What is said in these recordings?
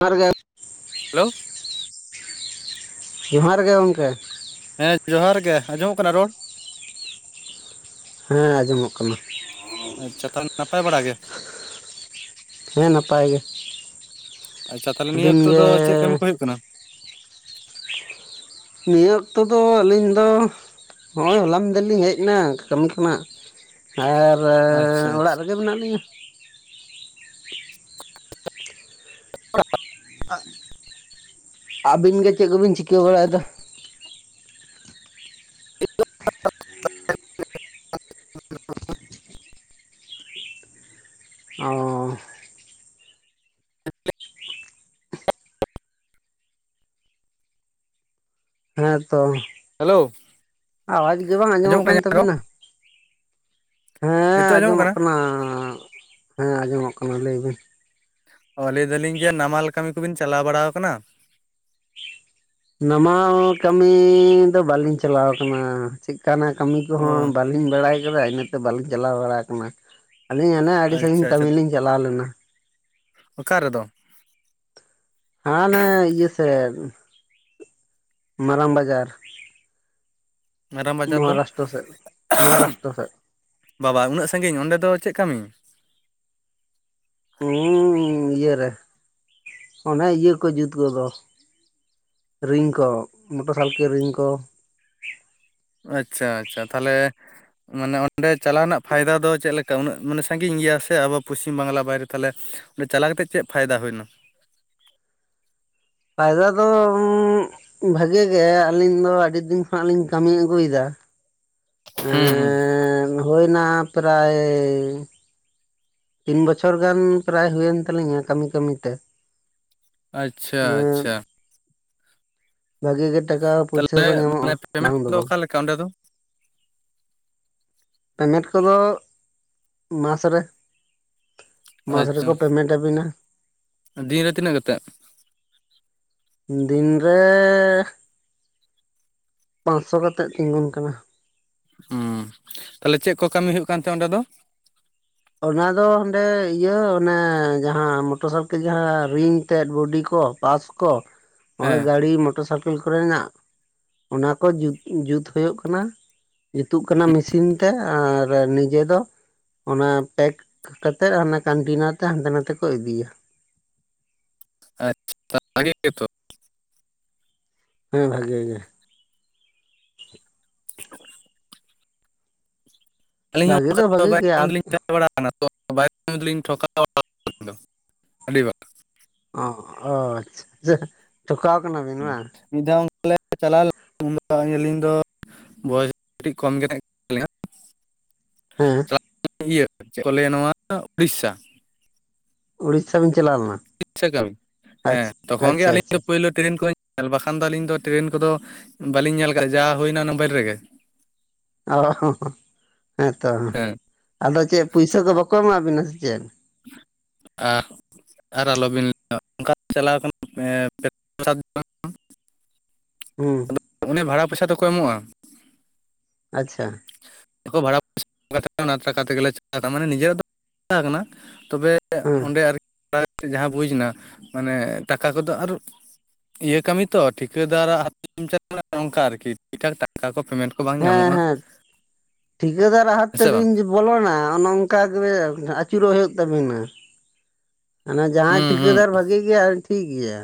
ᱡᱚᱦᱟᱨ ᱜᱮ ᱦᱮᱞᱳ ᱡᱚᱦᱟᱨ ᱜᱮ ᱜᱚᱢᱠᱮ ᱦᱮᱸ ᱡᱚᱦᱟᱨ ᱜᱮ ᱟᱸᱡᱚᱢᱚᱜ ᱠᱟᱱᱟ ᱨᱚᱲ᱾ ᱦᱮᱸ ᱟᱸᱡᱚᱢᱚᱜ ᱠᱟᱱᱟ᱾ ᱟᱪᱪᱷᱟ ᱛᱟᱦᱚᱞᱮ ᱱᱟᱯᱟᱭ ᱵᱟᱲᱟ ᱜᱮ, ᱦᱮᱸ ᱱᱟᱯᱟᱭ ᱜᱮ᱾ ᱟᱪᱪᱷᱟ ᱛᱟᱦᱚᱞᱮ ᱱᱤᱭᱟᱹ ᱟᱹᱵᱤᱱ ᱚᱠᱛᱚ ᱫᱚ ᱜᱮ ᱪᱮᱫ ᱠᱟᱹᱢᱤ ᱠᱚ ᱦᱩᱭᱩᱜ ᱠᱟᱱᱟ᱾ ᱱᱤᱭᱟᱹ ᱚᱠᱛᱚ ᱫᱚ ᱟᱹᱞᱤᱧ ᱫᱚ ᱦᱚᱜᱼᱚᱭ ᱦᱚᱞᱟ ᱢᱟᱫᱷᱮᱨ ᱞᱤᱧ ᱦᱮᱡ ᱮᱱᱟ ᱠᱟᱹᱢᱤ ᱠᱷᱚᱱᱟᱜ ᱟᱨ ᱟᱪᱪᱷᱟ ᱚᱲᱟᱜ ᱟᱪᱪᱷᱟ ᱨᱮᱜᱮ ᱢᱮᱱᱟᱜ ᱞᱤᱧᱟᱹ᱾ [unintelligible] ᱟᱹᱵᱤᱱ ᱜᱮ ᱪᱮᱫ ᱠᱚᱵᱤᱱ ᱪᱤᱠᱟᱹ ᱵᱟᱲᱟᱭᱮᱫᱟ᱾ [unintelligible] ᱚᱻ ᱦᱮᱸᱛᱚ ᱦᱮᱞᱳ ᱟᱣᱟᱡᱽ ᱜᱮ ᱵᱟᱝ ᱟᱸᱡᱚᱢᱚᱜ ᱠᱟᱱᱟ ᱠᱟᱱ ᱤᱧᱟᱹᱜ ᱨᱚᱲ ᱛᱟᱹᱵᱤᱱᱟ᱾ ᱦᱮᱸ ᱟᱸᱡᱚᱢᱚᱜ ᱠᱟᱱᱟ ᱦᱮᱸ ᱟᱸᱡᱚᱢᱚᱜ ᱠᱟᱱᱟ ᱞᱟᱹᱭ ᱵᱤᱱ ᱚ ᱞᱟᱹᱭ ᱫᱟᱹᱞᱤᱧ ᱡᱮ ᱱᱟᱢᱟᱞ ᱠᱟᱹᱢᱤ ᱠᱚᱵᱤᱱ ᱪᱟᱞᱟᱣ ᱵᱟᱲᱟ ᱟᱠᱟᱱᱟ᱾ ᱱᱟᱢᱟᱞ ᱠᱟᱹᱢᱤ ᱫᱚ ᱵᱟᱹᱞᱤᱧ ᱪᱟᱞᱟᱣ ᱟᱠᱟᱱᱟ ᱪᱮᱫᱠᱟᱱᱟᱜ ᱠᱟᱹᱢᱤ ᱠᱚᱦᱚᱸ ᱚ ᱵᱟᱹᱼ ᱵᱟᱹᱞᱤᱧ ᱵᱟᱲᱟᱭ ᱟᱠᱟᱫᱟ ᱤᱱᱟᱹᱛᱮ ᱵᱟᱹᱞᱤᱧ ᱪᱟᱞᱟᱣ ᱵᱟᱲᱟ ᱟᱠᱟᱱᱟ ᱟᱹᱞᱤᱧ ᱦᱟᱱᱮ ᱟᱹᱰᱤ ᱟᱪᱪᱷᱟ ᱥᱟᱺᱜᱤᱧ ᱠᱟᱹᱢᱤ ᱞᱤᱧ ᱪᱟᱞᱟᱣ ᱞᱮᱱᱟ᱾ ᱚᱠᱟᱨᱮ ᱫᱚ ᱦᱟᱱᱮ ᱤᱭᱟᱹ ᱥᱮᱫ ᱢᱟᱨᱟᱝ ᱵᱟᱡᱟᱨ ᱢᱟᱨᱟᱝ ᱵᱟᱡᱟᱨ ᱫᱚ ᱢᱚᱦᱟᱨᱟᱥᱴᱨᱚ ᱥᱮᱫ ᱢᱚᱦᱟᱨᱟᱥᱴᱨᱚ ᱥᱮᱫ ᱵᱟᱵᱟ ᱩᱱᱟᱹᱜ ᱥᱟᱺᱜᱤᱧ ᱚᱸᱰᱮ ᱫᱚ ᱪᱮᱫ ᱠᱟᱹᱢᱤ? ᱦᱩᱸᱻ ᱤᱭᱟᱹᱨᱮ ᱚᱱᱮ ᱤᱭᱟᱹ ᱠᱚ ᱡᱩᱛ ᱠᱚᱫᱚ ᱨᱤᱝ ᱠᱚ ᱢᱚᱴᱚᱨ ᱥᱟᱨᱠᱮᱞ ᱨᱤᱝ ᱠᱚ ᱟᱪᱪᱷᱟ ᱟᱪᱪᱷᱟ ᱛᱟᱦᱚᱞᱮ ᱢᱟᱱᱮ ᱚᱸᱰᱮ ᱪᱟᱞᱟᱣ ᱨᱮᱱᱟᱜ ᱯᱷᱟᱭᱫᱟ ᱫᱚ ᱪᱮᱫ ᱞᱮᱠᱟ ᱩᱱᱟᱹᱜ ᱢᱟᱱᱮ ᱥᱟᱺᱜᱤᱧ ᱜᱮᱭᱟ ᱥᱮ ᱟᱵᱚ ᱯᱚᱥᱪᱤᱢ ᱵᱟᱝᱞᱟ ᱵᱟᱭᱨᱮ ᱛᱟᱦᱚᱞᱮ ᱪᱟᱞᱟᱣ ᱠᱟᱛᱮᱜ ᱪᱮᱫ ᱯᱷᱟᱭᱫᱟ ᱦᱩᱭᱱᱟ᱾ ᱯᱷᱟᱭᱫᱟ ᱫᱚ ᱵᱷᱟᱜᱮ ᱜᱮ ᱟᱹᱞᱤᱧ ᱫᱚ ᱟᱹᱰᱤ. ᱫᱤᱱ ᱠᱷᱚᱱᱟᱜ ᱞᱤᱧ ᱠᱟᱹᱢᱤ ᱟᱹᱜᱩᱭ ᱫᱟ᱾ ᱦᱩᱸ ᱦᱩᱸ ᱮᱸᱜᱻ ᱦᱩᱭᱱᱟ ᱯᱨᱟᱭ ᱛᱤᱱ ᱵᱚᱪᱷᱚᱨ ᱜᱟᱱ ᱯᱨᱟᱭ ᱦᱩᱭᱮᱱ ᱛᱟᱞᱤᱧᱟ ᱠᱟᱹᱢᱤ ᱠᱟᱹᱢᱤ ᱛᱮ ᱟᱪᱪᱷᱟ ᱟᱪᱪᱷᱟ [unintelligible] ᱵᱷᱟᱹᱜᱤ ᱜᱮ ᱴᱟᱠᱟ ᱯᱩᱭᱥᱟ ᱛᱟᱦᱚᱞᱮ ᱠᱚ ᱢᱟᱱᱮ ᱧᱟᱢᱚᱜᱼᱟ ᱯᱮᱢᱮᱱᱴ ᱵᱟᱝ ᱫᱚ ᱠᱚᱫᱚ ᱵᱟᱝ ᱚᱠᱟ ᱚᱸᱰᱮ ᱫᱚ ᱯᱮᱢᱮᱱᱴ ᱠᱚᱫᱚ ᱢᱟᱥᱨᱮ ᱢᱟᱥ ᱨᱮᱠᱚ ᱟᱪᱪᱷᱟ ᱯᱮᱢᱮᱱᱴ ᱟᱹᱵᱤᱱᱟ᱾ ᱫᱤᱱ ᱨᱮ ᱛᱤᱱᱟᱹᱜ ᱠᱟᱛᱮᱜ? ᱫᱤᱱᱨᱮᱻ ᱯᱟᱸᱥᱥᱚ ᱠᱟᱛᱮᱜ ᱛᱤᱸᱜᱩᱱ ᱠᱟᱱᱟ᱾ ᱦᱩᱸᱻ, ᱛᱟᱦᱚᱞᱮ, ᱪᱮᱫ ᱠᱚ ᱠᱟᱹᱢᱤ ᱦᱩᱭᱩᱜ ᱠᱟᱱ ᱛᱟᱦᱮᱸᱱᱟ ᱚᱸᱰᱮ ᱫᱚ? ᱚᱱᱟ ᱫᱚ, ᱦᱟᱸᱰᱮ ᱤᱭᱟᱹ ᱚᱱᱮ ᱡᱟᱦᱟᱸ ᱢᱚᱴᱚᱨ ᱥᱟᱨᱠᱮᱞ ᱡᱟᱦᱟᱸ ᱨᱤᱝ ᱛᱮᱫ ᱵᱚᱰᱤ ᱠᱚ ᱯᱟᱥ ᱠᱚ, ᱦᱮᱸ ᱦᱚᱸᱚᱭ ᱢᱚᱴᱟᱨ ᱥᱟᱨᱠᱮᱞ ᱠᱚᱨᱮᱱᱟᱜ, ᱚᱱᱟ ᱠᱚ ᱡᱩᱛ ᱦᱩᱭᱩᱜ ᱠᱟᱱᱟ ᱾ ᱡᱩᱛᱚᱜ ᱠᱟᱱᱟ ᱢᱮᱥᱤᱱ ᱛᱮ, ᱟᱨ ᱱᱤᱡᱮ ᱫᱚ ᱚᱱᱟ ᱯᱮᱠ ᱠᱟᱛᱮᱫ, ᱚᱱᱟ ᱠᱟᱱᱴᱤᱱᱟᱨ ᱛᱮ ᱦᱟᱱᱛᱮ ᱱᱟᱛᱮ ᱠᱚ ᱤᱫᱤᱭᱟ ᱾ ᱟᱪᱪᱷᱟ [unintelligible] ᱛᱚ ᱵᱷᱟᱜᱮ ᱜᱮ ᱛᱚ ᱾ ᱦᱮᱸ ᱵᱷᱟᱜᱮ ᱜᱮ ᱾ [inaudible] ᱟᱹᱞᱤᱧ ᱦᱚᱸ ᱵᱷᱟᱜᱮ ᱫᱚ ᱚᱱᱠᱟ ᱵᱷᱟᱜᱮ ᱵᱟᱭᱨᱮ ᱜᱮᱭᱟ ᱨ ᱛᱟᱦᱮ ᱠᱟᱱᱟ [unintelligible] ᱛᱟᱦᱮᱸ ᱵᱟᱲᱟ ᱠᱟᱱᱟ ᱛᱚ, ᱵᱟᱦᱮᱨᱮ ᱨᱮᱞᱤᱧ ᱴᱷᱚᱠᱟ ᱵᱟᱲᱟ ᱠᱟᱱᱟ ᱟᱹᱰᱤ ᱵᱟᱨ ᱾ ᱚᱼᱦᱼ ᱚ ᱟᱪᱪᱷᱟ, ᱴᱷᱚᱠᱟᱣ ᱠᱟᱱᱟᱵᱤᱱ ᱦᱩᱸ, ᱵᱟᱝ? ᱢᱤᱫ ᱫᱷᱟᱣ ᱚᱱᱠᱟ ᱞᱮ ᱪᱟᱞᱟᱣ ᱞᱮᱱᱟ ᱩᱱ ᱫᱚ ᱟᱹᱞᱤᱧ ᱫᱚ [unintelligible] ᱵᱚᱭᱮᱥ ᱠᱟᱹᱴᱤᱡ ᱠᱚᱢ ᱜᱮ ᱛᱟᱦᱮ ᱠᱟᱱ ᱛᱟᱹᱞᱤᱧᱟ ᱾ ᱦᱮᱸ ᱤᱭᱟᱹ, ᱪᱮᱫ ᱠᱚ ᱞᱟᱹᱭᱟ ᱱᱚᱣᱟ ᱩᱲᱤᱥᱥᱟ ᱾ ᱩᱲᱤᱥ ᱥᱟ ᱵᱤᱱ ᱪᱟᱞᱟᱣ ᱞᱮᱱᱟ ᱾ ᱩᱲᱤᱥᱥᱟ ᱠᱟᱹᱢᱤ, ᱦᱮᱸ ᱛᱚᱠᱷᱚᱱ ᱜᱮ ᱟᱪᱪᱷᱟ ᱟᱹᱞᱤᱧ ᱟᱪᱪᱷᱟ ᱫᱚ ᱯᱳᱭᱞᱳ ᱴᱨᱮᱱ ᱠᱚᱨᱮ ᱵᱟᱠᱷᱟᱱ ᱫᱚ, ᱟᱹᱞᱤᱧ ᱫᱚ ᱴᱨᱮᱱ ᱠᱚᱫᱚ ᱵᱟᱹᱞᱤᱧ ᱧᱮᱞ ᱠᱟᱜᱼᱟ, ᱡᱟ ᱦᱩᱭᱱᱟ ᱢᱳᱵᱟᱭᱤᱞ ᱨᱮᱜᱮ ᱾ ᱚᱻᱦᱚ-ᱦᱚ ᱦᱮᱸᱛᱚ, ᱦᱮᱸ ᱟᱫᱚ ᱪᱮᱫ ᱯᱩᱭᱥᱟᱹ ᱠᱚ ᱵᱟᱠᱚ ᱮᱢᱟᱵᱤᱱᱟ ᱥᱮ ᱪᱮᱫ? ᱟᱦ, ᱟᱨ ᱟᱞᱚᱵᱤᱱ ᱞᱟᱹ [unintelligible] ᱚᱱᱠᱟ ᱪᱟᱞᱟᱣ ᱠᱟᱱᱟ [unintelligible] ᱦᱩᱸᱻ ᱾ ᱟᱫᱚ ᱚᱱᱮ ᱵᱷᱟᱲᱟ ᱯᱚᱭᱥᱟ ᱫᱚ ᱠᱚᱭ ᱮᱢᱚᱜᱼᱟ? ᱟᱪᱪᱷᱟ, ᱾ ᱵᱷᱟᱲᱟ ᱯ [unintelligible] ᱚᱱᱟ ᱴᱟᱠᱟ ᱛᱮᱜᱮᱞᱮ ᱪᱟᱞᱟᱜ, ᱢᱟᱱᱮ ᱱᱤᱡᱮᱨᱟᱜ [unintelligible] ᱫᱚ ᱪᱟ ᱠᱟᱱᱟ ᱛᱚᱵᱮ ᱦᱮᱸ ᱚᱸᱰᱮ ᱟᱨ [unintelligible] ᱠᱤ ᱠᱟᱛᱮᱫ ᱡᱟᱦᱟᱸ ᱵᱩᱡᱽ ᱮᱱᱟ, ᱢᱟᱱᱮ ᱴᱟᱠᱟ ᱠᱚᱫᱚ ᱟᱨ ᱤᱭᱟᱹ ᱠᱟᱹᱢᱤ ᱛᱚ, ᱴᱷᱤᱠᱟᱹᱫᱟᱨᱟᱜ ᱦᱟᱛ ᱛᱮ ᱪᱟᱜ ᱠᱟᱱᱟ ᱾ ᱱᱚᱝᱠᱟ ᱟᱨᱠᱤ ᱴᱟᱴᱠᱟ ᱠᱚ ᱯᱮᱢᱮᱱᱴ ᱠᱚ ᱵᱟᱝ ᱧᱟᱢᱚᱜᱼᱟ ᱾ ᱴᱷᱤᱠᱟᱹᱫᱟᱨᱟᱜ ᱦᱟᱛ ᱛᱮᱵᱤᱱ ᱵᱚᱞᱚᱱᱟ, ᱚᱱᱮ ᱚᱱᱠᱟ ᱜᱮ ᱟᱹᱪᱩᱨᱚᱜ ᱦᱩᱭᱩᱜ ᱛᱟᱵᱤᱱᱟ ᱾ ᱦᱟᱱᱮ ᱡᱟᱭ ᱦᱩᱸ ᱦᱩᱸ ᱴᱷᱤᱠᱟᱹᱫᱟᱨ ᱵᱷᱟᱹᱜᱤ ᱜᱮᱭᱟ, ᱴᱷᱤᱠ ᱜᱮᱭᱟ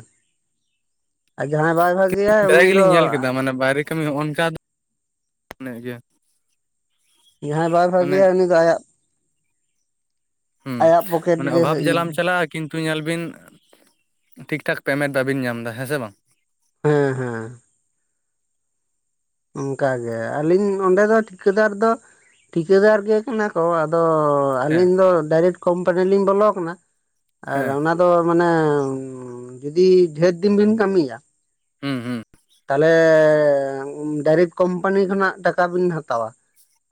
᱾ ᱟᱨ, ᱡᱟᱦᱟᱸᱭ ᱵᱟᱭ ᱵᱷᱟᱹᱜᱮᱟᱭ ᱯᱨᱟᱭ ᱩᱱᱤ ᱫᱚ ᱜᱮᱞᱤᱧ ᱧᱮᱞ ᱠᱮᱫᱟ ᱢᱟᱱᱮ ᱵᱟᱭᱨᱤᱠ ᱠᱟᱹᱢᱤ, ᱚᱱᱠᱟ ᱫᱚ [unintelligible] ᱢᱟᱱᱮ ᱤᱭᱟ, ᱡᱟᱦᱟᱸᱭ ᱵᱟᱭ ᱵᱷᱜᱮᱟᱭ, ᱩᱱᱤ ᱫᱚ ᱟᱭᱟᱜ ᱦᱩᱸ ᱟᱭᱟᱜ ᱯᱚᱠᱮᱴ ᱢᱟᱱᱮ ᱜᱮ ᱚᱵᱷᱟᱵ ᱡᱟᱞᱟᱢ ᱦᱮᱸ ᱪᱟᱞᱟᱜᱼᱟ᱾ ᱠᱤᱱᱛᱩ ᱧᱮᱞ ᱵᱤᱱ, ᱴᱷᱤᱠ ᱴᱷᱟᱠ ᱯᱮᱢᱮᱱᱴ ᱵᱟᱵᱤᱱ ᱧᱟᱢ ᱮᱫᱟ ᱾ ᱦᱮᱸ ᱥᱮ ᱵᱟᱝ? ᱦᱮᱸᱻ ᱦᱮᱸ ᱾ ᱚᱱᱠᱟᱜᱮ, ᱟᱹᱞᱤᱧ ᱚᱸᱰᱮ ᱫᱚ ᱴᱷᱤᱠᱟᱹᱫᱟᱨ ᱫᱚ, ᱴᱷᱤᱠᱟᱹᱫᱟᱨ ᱜᱮ ᱠᱟᱱᱟ ᱠᱚ, ᱟᱫᱚ ᱦᱮᱸ ᱟᱹᱞᱤᱧ ᱫᱚ, ᱰᱟᱭᱨᱮᱠᱴ ᱠᱳᱢᱯᱟᱱᱤ ᱞᱤᱧ ᱵᱚᱞᱚ ᱟᱠᱟᱱᱟ ᱾ ᱟᱨ ᱦᱮᱸ ᱚᱱᱟ ᱫᱚ ᱟᱫᱚ ᱢᱟᱱᱮ, ᱡᱩᱫᱤ ᱰᱷᱮᱨ ᱫᱤᱱ ᱵᱤᱱ ᱠᱟᱹᱢᱤᱭᱟ ᱦᱩᱸ ᱦᱩᱸ ᱾ ᱛᱟᱦᱞᱮ, ᱰᱟᱭᱨᱮᱠᱴ ᱠᱚᱢᱯᱟᱱᱤ ᱠᱷᱚᱱᱟᱜ ᱴᱟᱠᱟ ᱵᱤᱱ ᱦᱟᱛᱟᱣᱟ ᱾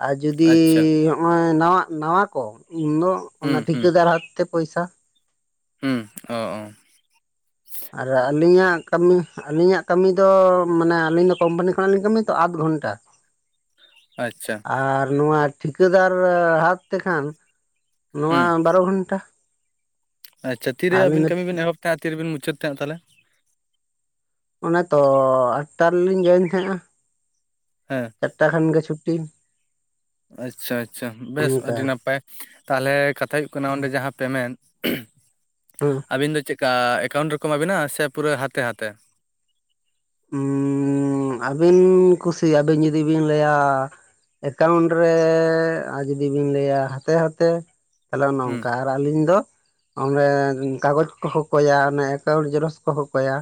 ᱟᱨ ᱡᱩᱫᱤ, ᱟᱪᱪᱷᱟ ᱦᱚᱜ ᱚᱭ ᱱᱟᱣᱟ, ᱱᱟᱣᱟ ᱠᱚ, ᱤᱱᱫᱚ ᱚᱱᱟ ᱦᱩᱸ ᱦᱩᱸ ᱴᱷᱤᱠᱟᱹᱫᱟᱨᱟᱜ ᱛᱮ ᱯᱚᱭᱥᱟ ᱾ ᱦᱩᱸ, ᱚᱼ ᱚ ᱾ ᱟᱨ ᱟᱹᱞᱤᱧᱟᱜ ᱠᱟᱹᱢᱤ, ᱟᱹᱞᱤᱧᱟᱜ ᱠᱟᱹᱢᱤ ᱫᱚ, ᱢᱟᱱᱮ ᱟᱹᱞᱤᱧ ᱫᱚ ᱠᱩᱢᱯᱟᱱᱤ ᱠᱷᱚᱱᱟᱜ ᱞᱤᱧ ᱠᱟᱹᱢᱤ ᱛᱚ, ᱟᱫᱷ ᱜᱷᱚᱱᱴᱟ ᱾ ᱟᱪᱪᱷᱟ ᱾ ᱟᱨ ᱱᱚᱣᱟ ᱴᱷᱤᱠᱟᱹᱫᱟᱨ ᱦᱟᱛᱷ ᱛᱮᱠᱷᱟᱱ ᱱᱚᱣᱟ ᱦᱩᱸ ᱵᱟᱨᱚ ᱜᱷᱚᱱᱴᱟ᱾ ᱟᱪᱪᱷᱟ ᱛᱤᱨᱮ ᱟᱹᱞᱤᱧ ᱟᱵᱤᱱ ᱫᱚ ᱠᱟᱹᱢᱤ ᱵᱤᱱ ᱮᱦᱚᱵᱽ ᱛᱟᱦᱮᱸᱫ ᱟᱨ ᱛᱤᱨᱮᱵᱤᱱ ᱢᱩᱪᱟᱹᱫ ᱛᱟᱦᱮᱸᱫ ᱛᱟᱞᱦᱮ ᱚᱱᱮ ᱛᱚ ᱟᱴᱴᱟ ᱞᱤᱧ ᱡᱚᱭᱮᱱ ᱛᱟᱦᱮᱸ ᱟ᱾ ᱦᱮᱸ ᱪᱟᱨᱴᱟ ᱠᱷᱟᱱ ᱜᱮ ᱪᱷᱩᱴᱤ ᱟᱪᱪᱷᱟ ᱟᱪᱪᱷᱟ ᱵᱮᱥ ᱚᱱᱠᱟ ᱟᱹᱰᱤ ᱱᱟᱯᱟᱭ ᱛᱟᱞᱦᱮ ᱠᱟᱛᱷᱟ ᱦᱩᱭᱩᱜ ᱠᱟᱱᱟ ᱦᱮᱸ ᱚᱸᱰᱮ ᱡᱟᱦᱟᱸ ᱯᱮᱢᱮᱱᱴ ᱟᱵᱤᱱ ᱫᱚ ᱪᱮᱜᱠᱟ ᱮᱠᱟᱣᱩᱱᱴ ᱨᱮᱠᱚ ᱮᱢᱟᱵᱤᱱᱟ ᱥᱮ ᱯᱩᱨᱟᱹ ᱦᱟᱛᱮ ᱦᱟᱛᱮ ᱩᱸ ᱟᱹᱵᱤᱱ ᱠᱩᱥᱤ ᱟᱹᱵᱤᱱ ᱡᱩᱫᱤ ᱵᱤᱱ ᱞᱟᱹᱭᱟ ᱮᱠᱟᱣᱩᱱᱴ ᱨᱮ ᱟᱨ ᱡᱩᱫᱤ ᱵᱤᱱ ᱞᱟᱹᱭᱟ ᱦᱟᱛᱮ ᱦᱟᱛᱮ ᱛᱟᱦᱚᱞᱮ ᱚᱱᱮ ᱦᱩᱸ ᱚᱝᱠᱟ ᱟᱹᱞᱤᱧ ᱫᱚ ᱚᱸᱰᱮ ᱠᱟᱜᱚᱡᱽ ᱠᱚ ᱦᱚᱠᱚᱭᱟ ᱚᱱᱮ ᱮᱠᱟᱣᱩᱱᱴ ᱡᱮᱨᱚᱠᱥ ᱠᱚ ᱠᱚᱠᱚᱭᱟ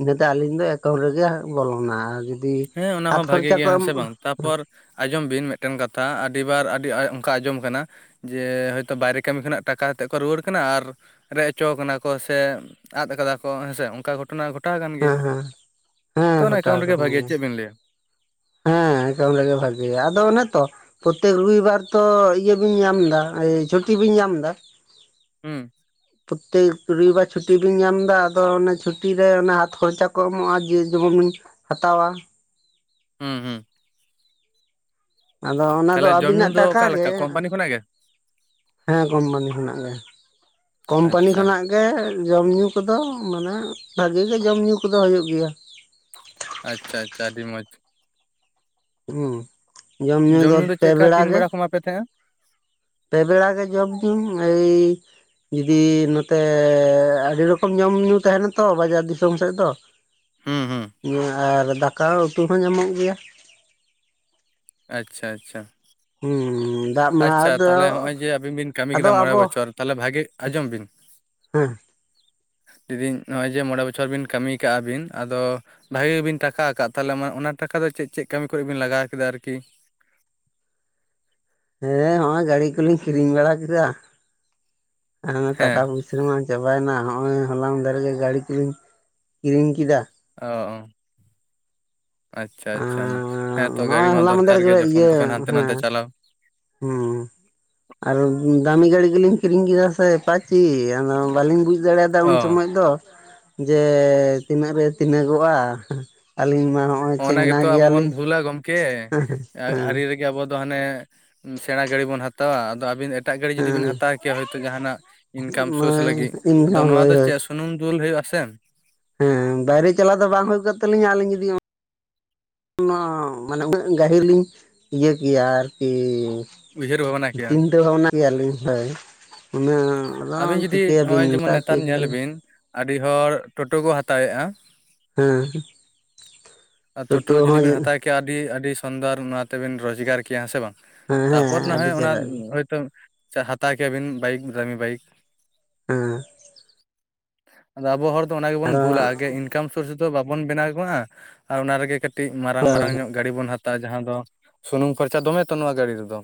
ᱤᱱᱟᱹᱛᱮ ᱟᱹᱞᱤᱧ ᱫᱚ ᱮ ᱛᱚᱵᱮ ᱡᱮᱭ ᱵᱚᱞᱚᱱᱟ ᱡᱩᱫᱤ ᱦᱮᱸ ᱚᱱᱟ ᱦᱟᱛᱷ ᱦᱚᱸ ᱵᱷᱟᱜᱮ ᱠᱷᱚᱨᱪᱟ ᱠᱚ ᱜᱮᱭᱟ ᱦᱮᱸ ᱥᱮ ᱮᱢᱚᱜᱼᱟ᱾ ᱵᱟᱝ ᱛᱟᱯᱚᱨ ᱟᱸᱡᱚᱢ ᱵᱤᱱ ᱢᱤᱜᱴᱮᱱ ᱠᱟᱛᱷᱟ ᱟᱹᱰᱤᱵᱟᱨ ᱟᱹᱰᱤ ᱚᱱᱠᱟ ᱟᱸᱡᱚᱢ ᱠᱟᱱᱟ ᱡᱮ ᱦᱚᱭᱛᱳ ᱵᱟᱭᱨᱮ ᱠᱟᱹᱢᱤ ᱠᱷᱚᱱᱟᱜ ᱴᱟᱠᱟᱠᱟᱛᱮᱫ ᱠᱚ ᱨᱩᱣᱟᱹᱲ ᱠᱟᱱᱟ ᱟᱨ ᱨᱮᱡᱽ ᱦᱚᱪᱚ ᱠᱟᱱᱟ ᱠᱚ ᱥᱮ ᱟᱫ ᱠᱟᱫᱟ ᱠᱚ ᱦᱮᱸᱥᱮ ᱚᱱᱠᱟ ᱜᱷᱚᱴ ᱜᱷᱚᱴᱚᱱᱟ ᱜᱷᱚᱴᱟᱣ ᱟᱠᱟᱱ ᱜᱮᱭᱟ ᱦᱮᱸ ᱦᱮᱸ ᱛᱚ ᱦᱮᱸ ᱚᱱᱟ ᱜᱷᱚᱴᱟᱣ ᱮᱠᱟᱣᱩᱱᱴ ᱨᱮᱜᱮ ᱟᱠᱟᱱ ᱵᱷᱟᱜᱮ ᱜᱮᱭᱟ ᱪᱮᱫ ᱵᱤᱱ ᱞᱟᱹᱭᱟ ᱦᱮᱸ ᱮᱠᱟᱣᱩᱱᱴ ᱨᱮᱜᱮ ᱵᱷᱟᱹᱜᱮᱭᱟ ᱟᱫᱚ ᱚᱱᱮ ᱛᱚ ᱯᱨᱚᱛᱮᱠ ᱨᱩᱭᱵᱟᱨ ᱛᱚ ᱤᱭᱟᱹ ᱵᱤᱱ ᱧᱟᱢ ᱫᱟ ᱪᱷᱩᱴᱤ ᱵᱤᱱ ᱧᱟᱢ ᱫᱟ ᱦᱩᱸ ᱯᱨᱚᱛᱮᱠ ᱨᱩᱭᱵᱟᱨ ᱪᱷᱩᱴᱤ ᱵᱤᱱ ᱧᱟᱢ ᱫᱟ ᱟᱫᱚ ᱚᱱᱟ ᱪᱷᱩᱴᱤ ᱨᱮ ᱦᱟᱛᱷ ᱠᱷᱚᱨᱪᱟ ᱠᱚ ᱮᱢᱚᱜᱼᱟ ᱡᱮ ᱡᱮ ᱡᱮᱡᱚᱱᱵᱤ ᱦᱟᱛᱟᱣᱟ ᱦᱩᱸ ᱦᱩᱸ ᱟᱫᱚ ᱚᱱᱟ ᱫᱚ ᱛᱟᱦᱚᱞᱮ ᱡᱚᱢ ᱧᱩ ᱟᱹᱵᱤᱱᱟᱜ ᱫᱚ ᱴᱟᱠᱟ ᱚᱠᱟ ᱜᱮ ᱞᱮᱠᱟ ᱠᱳᱢᱯᱟᱱᱤ ᱠᱷᱚᱱᱟᱜ ᱜᱮ ᱦᱮᱸ ᱠᱚᱢᱯᱟᱱᱤ ᱠᱷᱚᱱᱟᱜ ᱜᱮ ᱠᱩᱢᱯᱟᱱᱤ ᱟᱪᱪᱷᱟ ᱠᱷᱚᱱᱟᱜ ᱜᱮ ᱡᱚᱢ ᱧᱩ ᱠᱚᱫᱚ ᱢᱟᱱᱮ ᱵᱷᱟᱜᱮ ᱜᱮ ᱡᱚᱢ ᱧᱩᱩ ᱠᱚᱫᱚ ᱦᱩᱭᱩᱜ ᱜᱮᱭᱟ᱾ ᱟᱪᱪᱷᱟ ᱟᱪᱪᱷᱟ ᱟᱹᱰᱤ ᱢᱚᱡᱽ᱾ ᱦᱩᱸ ᱡᱚᱢ ᱧᱩ ᱫᱚ ᱯᱮ ᱵᱮᱲᱟ ᱜᱮ [unintelligible] ᱯᱮ ᱵᱮᱲᱟ ᱜᱮ ᱡᱚᱢ ᱧᱩ ᱮᱭ ᱡᱩᱫᱤ ᱱᱚᱛᱮ ᱟᱹᱰᱤ ᱨᱚᱠᱚᱢ ᱡᱚᱢᱼᱧᱩ ᱛᱟᱦᱮᱱᱟ ᱛᱚ ᱵᱟᱡᱟᱨ ᱫᱤᱥᱚᱢ ᱥᱮᱫ ᱫᱚ ᱦᱩᱸ ᱦᱩᱸ ᱟᱨ ᱫᱟᱠᱟ ᱩᱛᱩ ᱦᱚᱸ ᱧᱟᱢᱚᱜ ᱜᱮᱭᱟ ᱟᱪᱪᱷᱟ ᱟᱪᱪᱷᱟ ᱦᱩᱸ ᱦᱩ ᱟᱪᱪᱷᱟ ᱛᱟᱦᱚᱞᱮ ᱦᱚᱸᱜᱼᱚᱭ ᱡᱮ ᱟᱵᱤᱱ ᱵᱤᱱ ᱠᱟᱹᱢᱤ ᱟᱫᱚ ᱠᱮᱫᱟ ᱢᱚᱬᱮ ᱟᱵᱚ ᱵᱚᱪᱷᱚᱨ ᱛᱟᱦᱚᱞᱮ ᱵᱷᱟᱜᱮ ᱟᱸᱡᱚᱢ ᱵᱤᱱ ᱦᱮᱸ ᱞᱤᱫᱤᱧ ᱱᱚᱜᱼᱚᱭ ᱡᱮ ᱢᱚᱬᱮ ᱵᱚᱪᱷᱚᱨ ᱵᱤᱱ ᱠᱟᱹᱢᱤ ᱠᱟᱜᱼᱟ ᱵᱤᱱ ᱟᱫᱚ ᱵᱷᱟᱹᱜᱤ ᱜᱮᱵᱤᱱ ᱴᱟᱠᱟ ᱠᱟᱜᱼᱟ ᱛᱟᱞᱦᱮ ᱢᱟ ᱚᱱᱟ ᱴᱟᱠᱟ ᱫᱚ ᱪᱮᱫ ᱪᱮᱫ ᱠᱟᱹᱢᱤ ᱠᱚᱨᱮ ᱵᱤᱱ ᱞᱟᱜᱟᱣ ᱠᱮᱫᱟ ᱟᱨᱠᱤ? ᱦᱮᱸ ᱱᱚᱜᱼᱚᱭ ᱜᱟᱰᱤ ᱠᱚᱞᱤᱧ ᱠᱤᱨᱤᱧ ᱵᱟᱲᱟ ᱠᱮᱫᱟ ᱦᱮ ᱴᱟᱠᱟ ᱦᱮᱸ ᱯᱚᱭ [unintelligible] ᱪᱟᱵᱟᱭᱮᱱᱟ ᱦᱚᱜᱼᱚᱭ ᱦᱚᱞᱟ ᱢᱟᱫᱷᱮᱨ ᱜᱮ ᱜᱟᱹᱲᱤ ᱠᱚᱞᱤᱧ ᱠᱤᱨᱤᱧ ᱠᱮᱫᱟ᱾ ᱚ ᱚ ᱟᱪᱪᱷᱟ ᱟᱪᱪᱷᱟ ᱟᱨ ᱦᱮᱸ ᱛᱚ ᱱᱚᱜᱼᱚᱭ ᱜᱟᱹᱲᱤ ᱢᱟ ᱦᱚᱞᱟ ᱢᱟᱫᱷᱮᱨ ᱫᱚᱠᱟᱨ ᱜᱮ ᱜᱮᱭᱟ ᱡᱚᱠᱷᱚᱱ ᱤᱭᱟᱹ ᱛᱚᱠᱷᱚᱱ ᱦᱟᱱᱛᱮ ᱱᱟᱛᱮ ᱦᱮᱸ ᱪᱟᱞᱟᱣ ᱦᱩᱸ ᱟᱨ ᱫᱟᱢᱤ ᱜᱟᱹᱲᱤ ᱜᱮᱞᱤᱧ ᱠᱤᱨᱤᱧ ᱠᱮᱫᱟ ᱥᱮ ᱮᱯᱟᱪᱤ ᱟᱫᱚ ᱵᱟᱹᱞᱤᱧ ᱵᱩᱡᱽ ᱫᱟᱲᱮᱭᱟᱫᱟ ᱩᱱ ᱚ ᱥᱚᱢᱚᱭ ᱫᱚ ᱡᱮ ᱛᱤᱱᱟᱹᱜ ᱨᱮ ᱛᱤᱱᱟᱹᱜᱚᱜᱼᱟ ᱟᱹᱞᱤᱧ ᱢᱟ ᱦᱚᱸᱜᱼᱚᱭ ᱦᱚᱸᱜᱼᱱᱟ ᱪᱮᱝᱱᱟ ᱜᱮᱛᱚ ᱟᱵᱚ ᱵᱚᱱ ᱜᱮᱭᱟᱞᱤᱧ ᱵᱷᱩᱞᱟ ᱜᱚᱝᱠᱮ ᱦᱮᱸ ᱦᱮᱸ ᱟᱨᱤ ᱨᱮ ᱟᱵᱚ ᱫᱚ ᱦᱟᱱᱮ ᱥᱮᱬᱟ ᱜᱟᱹᱰᱤ ᱵᱚᱱ ᱦᱟᱛᱟᱣᱟ ᱟᱫᱚ ᱟᱹᱵᱤᱱ ᱮ ᱮᱴᱟᱜ ᱜᱟᱹᱰᱤ ᱡᱩᱫᱤ ᱦᱮᱸ ᱵᱤᱱ ᱦᱟᱛᱟᱣ ᱠᱮᱭᱟ ᱡᱟᱦᱟᱱᱟᱜ ᱤᱱᱠᱟᱢ ᱥᱳᱨᱥ ᱞᱟᱹᱜᱤᱫ ᱟᱫᱚ ᱱᱚᱣᱟ ᱦᱳᱭ ᱫᱚ ᱦᱳᱭ ᱪᱮᱫ ᱥᱚ ᱥᱩᱱᱩᱢ ᱫᱩᱞ ᱦᱩᱭᱩᱜᱼᱟ ᱥᱮ ᱦᱮᱸ ᱵᱟᱭᱨᱮ ᱪᱟᱞᱟᱣ ᱫᱚ ᱵᱟᱝ ᱦᱩᱭ ᱠᱚᱜ ᱛᱟᱹᱞᱤᱧᱟ ᱟᱹᱞᱤᱧ ᱡᱩᱫᱤ ᱚᱱᱟ ᱢᱟᱱᱮ ᱩᱱᱟᱹᱜ ᱜᱟᱹᱦᱤᱨ ᱞᱤᱧ ᱤᱭᱟᱹ ᱠᱮᱭᱟ ᱟᱨᱠᱤ ᱩᱭᱦᱟᱹᱨ ᱵᱷᱟᱵᱽᱱᱟ ᱠᱮᱭᱟ ᱪᱤᱱᱛᱟᱹ ᱵᱷᱟᱵᱽᱱᱟ ᱠᱮᱭᱟᱞᱤᱧ ᱦᱳᱭ᱾ ᱩᱱᱟᱹᱜ ᱟᱫᱚ ᱟᱹᱵᱤᱱ ᱡᱩᱫᱤ ᱪᱤᱠᱟᱹᱭᱟᱵᱤᱱ ᱱᱚᱜᱼᱚᱭ ᱢᱮᱛᱟ ᱡᱮᱢᱚᱱ ᱠᱚ ᱱᱮᱛᱟᱨ ᱧᱮᱞ ᱠᱟᱱᱟᱞᱤᱧ [unintelligible] ᱵᱤᱱ ᱟᱹᱰᱤ ᱦᱚᱲ ᱴᱳᱴᱳ ᱠᱚ ᱦᱟᱛᱟᱣᱮᱜᱼᱟ᱾ ᱦᱮᱸ ᱟᱨ ᱴᱳᱴᱳ ᱡᱩᱫᱤ ᱵᱮᱱ ᱦᱟᱛᱟᱭ, ᱟᱹᱰᱤ ᱟᱹᱰᱤ ᱥᱚᱱᱫᱚᱨ ᱱᱚᱣᱟ ᱛᱮᱵᱮᱱ ᱨᱳᱡᱽᱜᱟᱨ ᱠᱮᱭᱟ, ᱦᱮᱸ ᱥᱮ ᱵᱟᱝ? ᱦᱮᱸ ᱛᱟᱯᱚᱨ ᱦᱮᱸ ᱟᱹᱰᱤ ᱱᱟᱦᱚᱭ ᱚᱱᱟ ᱪᱮᱦᱨᱟ ᱜᱮ ᱦᱟᱛᱟᱣ ᱠᱮᱭᱟᱵᱤᱱ ᱵᱟᱭᱤᱠ ᱫᱟᱢᱤ ᱵᱟᱭᱤᱠ᱾ ᱦᱮᱸ᱾ ᱟᱫᱚ ᱟᱵᱚ ᱦᱚᱲ ᱫᱚ ᱚᱱᱟ ᱜᱮᱵᱚᱱ ᱟᱫᱚ ᱵᱷᱩᱞᱟ, ᱟᱜᱮ ᱤᱱᱠᱟᱢ ᱥᱳᱨᱥ ᱫᱚ ᱵᱟᱵᱚᱱ ᱵᱮᱱᱟᱣ ᱠᱚᱜᱼᱟ᱾ ᱟᱨ ᱚᱱᱟ ᱨᱮᱜᱮ ᱠᱟᱹᱴᱤᱡ ᱢᱟᱨᱟᱝ ᱢᱟᱨᱟᱝ ᱦᱳᱭ ᱧᱚᱜ ᱜᱟᱹᱰᱤ ᱵᱚᱱ ᱦᱟᱛᱟᱣᱟ, ᱡᱟᱦᱟᱸ ᱫᱚ ᱥᱩᱱᱩᱢ ᱠᱷᱚᱨᱪᱟ ᱫᱚᱢᱮ ᱛᱚ ᱱᱚᱣᱟ ᱜᱟᱹᱰᱤ ᱨᱮᱫᱚ?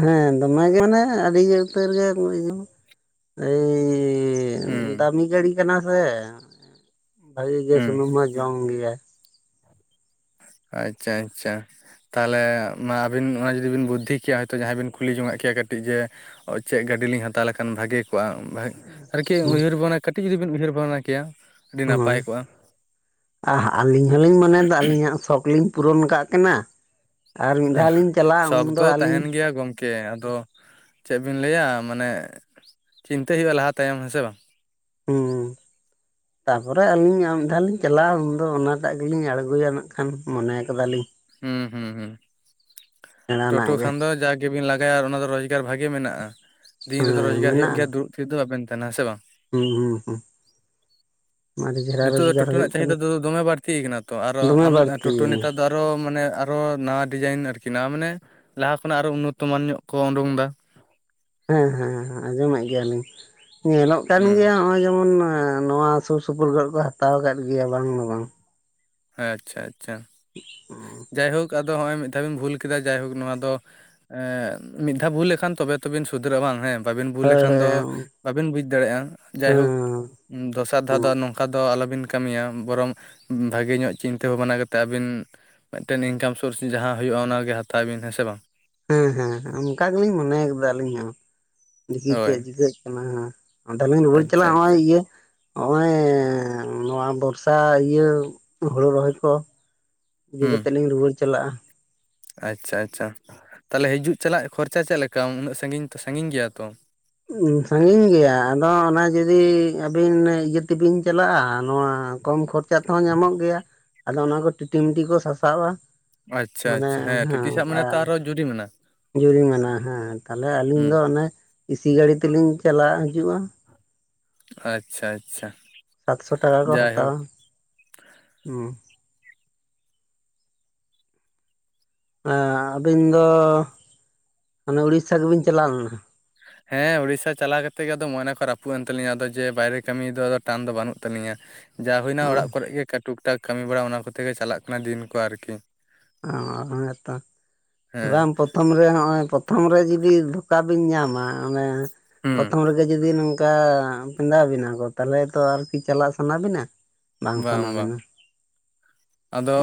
ᱦᱮᱸ ᱫᱚᱢᱮ ᱜᱮ ᱢᱟᱱᱮ ᱟᱹᱰᱤ ᱜᱮ ᱩᱛᱟᱹᱨ ᱜᱮ ᱮᱭᱼᱼ ᱦᱩᱸ ᱫᱟᱢᱤ ᱜᱟᱹᱲᱤ ᱠᱟᱱᱟ ᱥᱮ ᱵᱷᱟᱹᱜᱤ ᱜᱮ ᱦᱩᱸ ᱥᱩᱱᱩᱢ ᱦᱚᱸᱭ ᱡᱚᱢ ᱜᱮᱭᱟᱭ᱾ ᱟᱪᱪᱷᱟ ᱟᱪᱪᱷᱟ᱾ ᱛᱟᱦᱚᱞᱮ ᱢᱟ ᱟᱹᱵᱤᱱ ᱚᱱᱟ ᱡᱩᱫᱤ ᱵᱤᱱ ᱵᱩᱫᱽᱫᱷᱤ ᱠᱮᱭᱟ, ᱦᱚᱭᱛᱳ ᱡᱟᱦᱟᱸᱭ ᱵᱤᱱ ᱠᱩᱞᱤ ᱡᱚᱝ ᱟᱜ ᱠᱮᱭᱟ ᱠᱟᱹᱴᱤᱡ ᱡᱮ ᱪᱮᱜ ᱜᱟᱹᱰᱤ ᱞᱤᱧ ᱦᱟᱛᱟᱣ ᱞᱮᱠᱷᱟᱱ ᱵᱷᱟᱹᱜᱤ ᱠᱚᱜᱼᱟ? ᱟᱨᱠᱤ ᱩᱭᱦᱟᱹᱨ ᱵᱟᱲᱟ, ᱠᱟᱹᱴᱤᱡ ᱡᱩᱫᱤ ᱵᱤᱱ ᱩᱭᱦᱟᱹᱨ ᱵᱷᱟᱵᱽᱱᱟ ᱠᱮᱭᱟ᱾ ᱟᱹᱰᱤ ᱱᱟᱯᱟᱭ ᱠᱚᱜᱼᱟ ᱟᱦ ᱟᱹᱞᱤᱧ ᱫᱚᱞᱤᱧ ᱢᱚᱱᱮᱭᱮᱫᱟ ᱟᱹᱞᱤᱧᱟᱜ ᱥᱚᱠ ᱞᱤᱧ ᱯᱩᱨᱚᱱ ᱟᱠᱟᱫ ᱠᱟᱱᱟ ᱟᱨ ᱢᱤᱫ ᱫᱷᱟᱣ ᱞᱤᱧ ᱪᱟᱞᱟᱜᱼᱟ, ᱩᱱ ᱫᱚ ᱟᱹᱞᱤᱧ ᱠᱮ ᱟᱫᱚ ᱪᱮᱫ ᱵᱤᱱ ᱞᱟᱹᱭᱟ, ᱢᱟᱱᱮ ᱪᱤᱱᱛᱟᱹᱭ ᱦᱩᱭᱩᱜᱼᱟ ᱞᱟᱦᱟ ᱛᱟᱭᱚᱢ ᱦᱮᱸ ᱥᱮ ᱵᱟᱝ? ᱦᱩᱸ᱾ ᱛᱟᱯᱚᱨᱮ ᱟᱹᱞᱤᱧ ᱟᱨ ᱢᱤᱫ ᱫᱷᱟᱣ ᱞᱤᱧ ᱪᱟᱞᱟᱜᱼᱟ, ᱩᱱ ᱫᱚ ᱚᱱᱟ ᱴᱟᱜ ᱜᱮ ᱞᱤᱧ ᱟᱲᱜᱳᱭᱟ ᱱᱟᱜ ᱠᱷᱟᱱ ᱢᱚᱱᱮ ᱠᱟᱫᱟᱞᱤᱧ᱾ ᱦᱩᱸ ᱦᱩᱸ ᱦᱩᱸ ᱴᱳᱴᱳ ᱥᱮᱬᱟᱱᱟᱜ ᱜᱮ ᱠᱷᱟᱱ ᱫᱚ ᱡᱟᱠ ᱜᱮ ᱵᱤᱱ ᱞᱟᱜᱟᱭᱟ ᱟᱨ ᱚᱱᱟ ᱫᱚ ᱨᱚᱡᱽᱜᱟᱨ ᱵᱷᱟᱜᱮ ᱢᱮᱱᱟᱜᱼᱟ, ᱫᱤᱱ ᱨᱮᱫᱚ ᱦᱮᱸ ᱨᱚᱡᱽᱜᱟᱨ ᱦᱩᱭᱩᱜ ᱜᱮᱭᱟ, ᱢᱮᱱᱟᱜᱼᱟ ᱫᱩᱲᱩᱵ ᱛᱤ ᱫᱚ ᱵᱟᱵᱮᱱ ᱛᱟᱦᱮᱱᱟ ᱦᱮᱸ ᱥᱮ ᱵᱟᱝ? ᱦᱩᱸ ᱦᱩᱸ ᱦᱩᱸ᱾ ᱟᱹᱰᱤ ᱪᱮᱦᱨᱟ ᱱᱤᱛᱚᱜ ᱫᱚ ᱨᱳᱡᱽᱜᱟᱨ ᱴᱳᱴᱳ ᱦᱩᱭᱩᱜ ᱨᱮᱱᱟᱜ ᱪᱟᱦᱤᱫᱟ ᱠᱟᱱᱟ ᱫᱚ ᱫᱚᱢᱮ ᱵᱟᱹᱲᱛᱤ ᱟᱠᱟᱱᱟ ᱛᱚ, ᱟᱨᱚ ᱫᱚᱢᱮ ᱟᱢ ᱴᱳᱴᱳ ᱵᱟᱹᱲᱛᱤᱭᱮᱱᱟ ᱱᱮᱛᱟᱨ ᱫᱚ ᱟᱨᱼᱼ ᱟᱨᱚ ᱢᱟᱱᱮ ᱟᱨᱚ ᱱᱟᱣᱟ ᱰᱤᱡᱟᱭᱤᱱ ᱟᱨᱠᱤ, ᱱᱟᱣᱟ ᱢᱟᱱᱮ ᱞᱟᱦᱟ ᱠᱷᱚᱱᱟᱜ ᱟᱨᱚ ᱩᱱᱱᱚᱛᱚᱢᱟᱱ ᱧᱚᱜ ᱠᱚ ᱩᱰᱩᱝ ᱫᱟ᱾ ᱦᱮᱸ ᱦᱮᱸ ᱦᱮᱸ, ᱟᱸᱡᱚᱢᱮᱫ ᱜᱮᱭᱟᱞᱤᱧ, ᱧᱮᱞᱚᱜ ᱠᱟᱱ ᱜᱮᱭᱟ ᱦᱩᱸ ᱱᱚᱜᱼᱚᱭ ᱡᱮᱢᱚᱱ, ᱱᱚᱣᱟ ᱥᱩᱨ ᱥᱩᱯᱩᱨ ᱠᱚᱨᱮᱜ ᱠᱚ ᱦᱟᱛᱟᱣ ᱠᱟᱫ ᱜᱮᱭᱟ, ᱵᱟᱝ ᱫᱚ ᱵᱟᱝ᱾ ᱟᱪᱪᱷᱟ ᱟᱪᱪᱷᱟ᱾ [inaudible] ᱡᱟᱭᱦᱳᱠ, ᱟᱫᱚ ᱦᱚᱸᱜᱼᱚᱭ ᱢᱤᱫ ᱫᱷᱟᱣ ᱵᱤᱱ ᱵᱷᱩᱞ ᱠᱮᱫᱟ, ᱡᱟᱭᱦᱳᱠ ᱱᱚᱣᱟ ᱫᱚ ᱮᱸ ᱢᱤᱫ ᱫᱷᱟᱣ ᱵᱷᱩᱞ ᱞᱮᱠᱷᱟᱱ ᱛᱚᱵᱮ ᱛᱚᱵᱤᱱ ᱥᱩᱫᱷᱨᱟᱹᱜᱼᱟ, ᱵᱟᱝ ᱦᱮᱸ᱾ ᱵᱟᱹᱵᱤᱱ ᱵᱩᱡᱞ ᱦᱳᱭ ᱞᱮᱠᱷᱟᱱ ᱦᱳᱭ ᱫᱚ ᱦᱮᱸ ᱵᱟᱹᱵᱤᱱ ᱵᱩᱡ ᱫᱟᱲᱮᱭᱟᱜᱼᱟ᱾ ᱡᱟᱭᱦᱳᱠ ᱫᱚᱥᱟᱨ ᱫᱷᱟᱣ ᱫᱚ ᱟᱨ ᱱᱚᱝᱠᱟ ᱫᱚ ᱟᱞᱚ ᱵᱤᱱ ᱠᱟᱹᱢᱤᱭᱟ᱾ ᱵᱚᱨᱚᱝ ᱵᱷᱟᱹᱜᱮ ᱧᱚᱜ ᱪᱤᱱᱛᱟᱹ ᱵᱷᱟᱵᱽᱱᱟ ᱠᱟᱛᱮᱫ ᱟᱹᱵᱤᱱ ᱢᱮᱫᱴᱮᱱ ᱤᱱᱠᱟᱢ ᱥᱳᱨᱥ ᱡᱟᱦᱟᱸ ᱦᱩᱭᱩᱜᱼᱟ, ᱚᱱᱟ ᱜᱮ ᱦᱟᱛᱟᱣ ᱵᱤᱱ᱾ ᱦᱮᱸ ᱥᱮ ᱵᱟᱝ? ᱦᱮᱸ ᱦᱮᱸ ᱦᱮᱸ, ᱚᱱᱠᱟ ᱜᱮᱞᱤᱧ ᱢᱚᱱᱮ ᱟᱠᱟᱫᱟ ᱟᱹᱞᱤᱧ ᱦᱚᱸ, ᱫᱤᱠᱷᱤ ᱪᱮᱫ ᱦᱳᱭ ᱪᱤᱠᱟᱹᱜ ᱠᱟᱱᱟ ᱦᱟᱸᱜ᱾ ᱦᱟᱸᱰᱮ ᱞᱤᱧ ᱨᱩᱭᱟᱹᱲ ᱟᱪᱪᱷᱟ ᱪᱟᱞᱟᱜᱼᱟ, ᱱᱚᱜᱼᱚᱭ ᱟᱪᱪᱷᱟ ᱤᱭᱟᱹ ᱦᱚᱸᱜ-ᱚᱭ ᱱᱚᱣᱟ ᱵᱚᱨᱥᱟ ᱤᱭᱟᱹ ᱦᱳᱲᱳ ᱨᱚᱦᱚᱭ ᱠᱚᱼᱼ ᱤᱭᱟᱹ ᱦᱩᱸ ᱠᱟᱛᱮᱫ ᱞᱤᱧ ᱨᱩᱣᱟᱹᱲ ᱪᱟᱞᱟᱜᱼᱟ᱾ ᱟᱪᱪᱷᱟ ᱟᱪᱪᱷᱟ, ᱛᱟᱦᱚᱞᱮ ᱦᱤᱡᱩᱜ ᱪᱟᱞᱟᱜ ᱠᱷᱚᱨᱪᱟ ᱪᱮᱫ ᱞᱮᱠᱟ ᱩᱱᱟᱹᱜ ᱥᱟᱺᱜᱤᱧ ᱛᱚ ᱥᱟᱺᱜᱤᱧ ᱜᱮᱭᱟ ᱛᱚ᱾ ᱥᱟᱺᱜᱤᱧ ᱜᱮᱭᱟ ᱟᱫᱚ ᱚᱱᱟ ᱡᱩᱫᱤ ᱟᱹᱵᱤᱱ ᱤᱭᱟᱹ ᱛᱮᱵᱤᱱ ᱪᱟᱞᱟᱜᱼᱟ, ᱱᱚᱣᱟ ᱠᱚᱢ ᱠᱷᱚᱨ ᱪᱟ ᱛᱮ ᱦᱚᱸ ᱧᱟᱢᱚᱜ ᱜᱮᱭᱟ ᱟᱫᱚ ᱚᱱᱟ ᱠᱚ ᱴᱤ ᱴᱤ ᱢᱤ ᱴᱤ ᱠᱚ ᱥᱟᱥᱟᱵᱼᱟ᱾ ᱟᱪᱪᱷᱟ ᱟᱪᱪᱷᱟ, ᱦᱮᱸ ᱴᱤ ᱴᱤ ᱥᱟᱵ ᱢᱟᱱᱮ ᱛᱚ ᱟᱨ ᱦᱚᱸ ᱡᱩᱨᱤᱢᱟᱱᱟ᱾ ᱡᱩᱨᱤᱢᱟᱱᱟ ᱦᱮᱸ ᱛᱟᱦᱚᱞᱮ ᱟᱹᱞᱤᱧ ᱫᱚ ᱚᱱᱮ ᱤᱥᱤ ᱜᱟᱹᱲᱤ ᱛᱮᱞᱤᱧ ᱪᱟᱞᱟᱜ ᱦᱤᱡᱩᱜᱼᱟ᱾ ᱟᱪᱪᱷᱟ ᱟᱪᱪᱷᱟ᱾ ᱥᱟᱛᱥᱚ ᱴᱟᱠᱟ ᱠᱚ ᱡᱟᱭᱦᱳᱠ ᱦᱟᱛᱟᱣᱟ ᱦᱮᱸ᱾ ᱟ ᱟᱹᱵᱤᱱ ᱫᱚ ᱚᱱᱮ ᱩᱲᱤᱥᱥᱟ ᱜᱮ ᱵᱤᱱ ᱪᱟᱞᱟᱣ ᱞᱮᱱᱟ? ᱦᱮᱸ ᱩᱲᱤᱥᱥᱟ ᱪᱟᱞᱟᱣ ᱠᱟᱛᱮᱜ ᱜᱮ ᱟᱫᱚ ᱢᱚᱱᱮ ᱠᱚ ᱨᱟᱹᱯᱩᱫ ᱮᱱ ᱛᱟᱹᱞᱤᱧᱟ, ᱟᱫᱚ ᱡᱮ ᱵᱟᱭᱨᱮ ᱠᱟᱹᱢᱤ ᱫᱚ ᱟᱫᱚ ᱴᱟᱱ ᱫᱚ ᱵᱟᱹᱱᱩᱜ ᱛᱟᱹᱞᱤᱧᱟ᱾ ᱡᱟ ᱦᱩᱭᱱᱟ ᱦᱮᱸ ᱚᱲᱟᱜ ᱠᱚᱨᱮ ᱜᱮ ᱚᱠᱟ ᱴᱩᱠ-ᱴᱟᱠ ᱠᱟᱹᱢᱤ ᱵᱟᱲᱟ ᱚᱱᱟ ᱠᱚᱛᱮ ᱜᱮ ᱪᱟᱞᱟᱜ ᱠᱟᱱᱟ ᱫᱤᱱ ᱠᱚ ᱟᱨᱠᱤ᱾ ᱚᱸᱻ ᱦᱮᱸ ᱛᱚ, ᱦᱮᱸ ᱵᱟᱝ ᱯᱚ ᱛᱷᱚᱢ ᱨᱮ ᱦᱚᱸᱜ-ᱚᱭ ᱯᱨᱚᱛᱷᱚᱢ ᱨᱮ ᱡᱩᱫᱤ ᱫᱷᱳᱠᱟ ᱵᱤᱱ ᱧᱟᱢᱟ ᱚᱱᱮ ᱦᱩᱸ ᱯᱨᱚᱛᱦᱚᱢ ᱨᱮᱜᱮ ᱜᱮ ᱡᱩᱫᱤ ᱱᱚᱝᱠᱟ ᱯᱮᱸᱫᱟᱣ ᱵᱤᱱᱟ ᱠᱚ, ᱛᱟᱦᱚᱞᱮ ᱛᱚ ᱟᱨᱠᱤ ᱪᱟᱞᱟᱜ ᱥᱟᱱᱟ ᱵᱤᱱᱟ? ᱵᱟᱝ ᱥᱟᱱᱟ ᱵᱮᱱᱟ᱾ ᱟᱫᱚ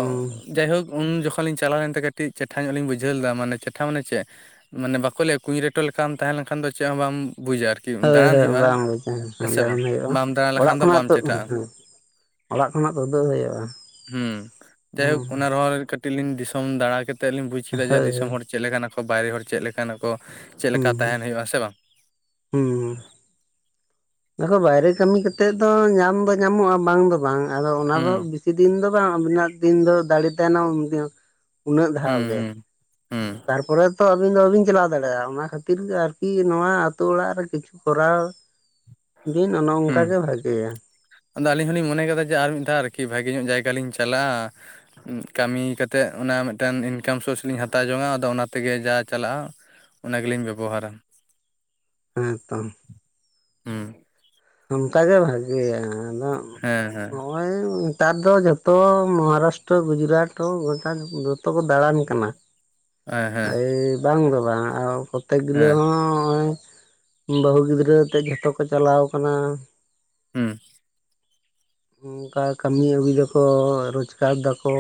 ᱡᱟᱭᱦᱳᱠ, ᱩᱱ ᱡᱚᱠᱷᱚᱱ ᱞᱤᱧ ᱪᱟᱞᱟᱣ ᱞᱮᱱᱛᱮ ᱠᱟᱹᱴᱤᱡᱽ ᱪᱮᱴᱷᱟ ᱧᱚᱜ ᱞᱤᱧ ᱵᱩᱡᱷᱟᱹᱣ ᱞᱮᱫᱟ ᱢᱟᱱᱮ ᱪᱮᱴᱷᱟ ᱢᱟᱱᱮ ᱪᱮᱫ ᱢᱟᱱᱮ ᱵᱟᱠᱚ ᱞᱟᱹᱭᱟ ᱠᱩᱧ ᱨᱮᱴᱚ ᱞᱮᱠᱟᱢ ᱛᱟᱦᱮᱸ ᱞᱮᱱ ᱠᱷᱟᱱ ᱫᱚ ᱪᱮᱫ ᱦᱚᱸ ᱵᱟᱢ ᱵᱩᱡᱟ ᱟᱨ ᱦᱳᱭ ᱦᱳᱭ ᱵᱟᱢ ᱵᱩᱪᱟ ᱵᱟᱢ ᱫᱟᱬᱟ [unintelligible] ᱚᱲᱟᱜ ᱞᱮᱠᱷᱟᱱ ᱫᱚ ᱠᱷᱚᱱᱟᱜ ᱵᱟᱢ ᱛᱩᱫᱽ ᱪᱮᱴᱷᱟᱜᱼᱟ ᱚᱲᱟᱜ ᱠᱷᱚᱱᱟᱜ ᱛᱩᱫᱩᱜ ᱦᱩᱭᱩᱜᱼᱟ᱾ ᱦᱩᱸ, ᱦᱩᱸ ᱡᱟᱭᱦᱳᱠ ᱚᱱᱟ ᱨᱚᱦᱚᱸ ᱠᱟᱹᱴᱤᱡᱽ ᱞᱤᱧ ᱫᱤᱥᱚᱢ ᱫᱟᱲᱟ ᱠᱟᱛᱮᱫ ᱞᱤᱧ ᱵᱩᱡᱽ ᱠᱮᱫᱟ ᱡᱮ ᱦᱳᱭ ᱦᱳᱭ ᱫᱤᱥᱚᱢ ᱦᱚᱲ ᱪᱮᱫ ᱞᱮᱠᱟᱱᱟ ᱠᱚ ᱵᱟᱭᱨᱮ ᱦᱚᱲ ᱪᱮᱫ ᱞᱮᱠᱱᱟ ᱠᱚ, ᱪᱮᱫ ᱦᱩᱸ ᱞᱮᱠᱟ ᱦᱩᱸ ᱛᱟᱦᱮᱱ ᱦᱩᱭᱩᱜᱼᱟ ᱥᱮ ᱵᱟᱝ? ᱦᱩᱸ [unintelligible] ᱵᱟᱭᱨᱮ ᱠᱟᱹᱢᱤ ᱠᱟᱛᱮᱫ ᱫᱚ ᱧᱟᱢ ᱫᱚ ᱧᱟᱢᱚᱜᱼᱟ, ᱵᱟᱝ ᱫᱚ ᱵᱟᱝ ᱟᱫᱚ ᱚᱱᱟ ᱦᱩᱸ ᱫᱚ ᱵᱤᱥ ᱵᱤᱥᱤ ᱫᱤᱱ ᱫᱚ ᱵᱟᱝ [unintelligible] ᱫᱤᱱ ᱫᱟᱲᱮ ᱛᱟᱦᱮᱱᱟ ᱩᱱ-ᱩᱱᱟᱹᱜ ᱫᱷᱟᱣ ᱜᱮ᱾ ᱦᱮᱸ ᱛᱟᱨᱯᱚᱨᱮ ᱛᱚ ᱟᱵᱤᱱ ᱫᱚ ᱵᱟᱹᱵᱤᱱ ᱪᱟᱞᱟᱣ ᱫᱟᱲᱮᱭᱟᱜᱼᱟ, ᱚᱱᱟ ᱠᱷᱟᱹᱛᱤᱨ ᱜᱮ ᱟᱨᱠᱤ ᱱᱚᱣᱟ ᱟᱹᱛᱩ ᱚᱲᱟᱜ ᱨᱮ ᱠᱤᱪᱷᱩ ᱠᱚᱨᱟᱣ ᱵᱤᱱ ᱚᱱᱮ ᱚᱝᱠᱟ ᱦᱩᱸ ᱜᱮ ᱵᱷᱟᱜᱮᱭᱟ᱾ ᱟᱫᱚ ᱟᱹᱞᱤᱧ ᱦᱚᱸᱞᱤᱧ ᱢᱚᱱᱮ ᱠᱟᱫᱟ ᱡᱮ, ᱟᱨ ᱢᱤᱫ ᱫᱷᱟᱣ ᱟᱨᱠᱤ ᱵᱷᱟᱹᱜᱮ ᱧᱚᱜ ᱡᱟᱭᱜᱟ ᱞᱤᱧ ᱪᱟᱞᱟᱜᱼᱟ ᱠᱟᱹᱢᱤ ᱠᱟᱛᱮᱫ ᱚᱱᱟ ᱢᱤᱫᱴᱮᱱ ᱤᱱᱠᱟᱢ ᱥᱳᱨᱥ ᱞᱤᱧ ᱦᱟᱛᱟᱣ ᱡᱚᱝ-ᱟ, ᱟᱫᱚ ᱚᱱᱟ ᱛᱮᱜᱮ ᱡᱟ ᱪᱟᱞᱟᱜᱼᱟ ᱚᱱᱟ ᱜᱮᱞᱤᱧ ᱵᱮᱵᱚᱦᱟᱨᱟ᱾ ᱦᱮᱸ ᱛᱚ᱾ ᱦᱩᱸ ᱚᱱᱠᱟ ᱜᱮ ᱵᱷᱟᱜᱮᱭᱟ ᱟᱫᱚ ᱦᱮᱸ ᱦᱮᱸ ᱦᱚᱭ ᱱᱮᱛᱟᱨ ᱫᱚ ᱡᱚᱛᱚ ᱢᱚᱦᱟᱨᱟᱥᱴᱚ ᱜᱩᱡᱽᱨᱟᱴ ᱦᱚᱸ ᱜᱚᱴᱟ ᱡᱷᱚᱛᱚ ᱠᱚ ᱫᱟᱬᱟᱱ ᱠᱟᱱᱟ᱾ ᱦᱮᱸ ᱦᱮᱸ ᱮᱭ ᱵᱟᱝ ᱫᱚ ᱵᱟᱝ ᱠᱚᱛᱮᱠ ᱜᱩᱞᱟᱹ ᱦᱮᱸ ᱦᱚᱸ ᱦᱚᱸᱜᱼᱚᱭ ᱵᱟᱹᱦᱩ ᱜᱤᱫᱽᱨᱟᱹ ᱟᱛᱮᱫ ᱡᱷᱚᱛᱚ ᱠᱚ ᱪᱟᱞᱟᱣ ᱠᱟᱱᱟ᱾ ᱦᱩᱸ ᱚᱱᱠᱟ ᱠᱟᱹᱢᱤ ᱟᱹᱜᱩᱭ ᱫᱟᱠᱚ ᱨᱚᱡᱽᱠᱟᱨ ᱫᱟᱠᱚ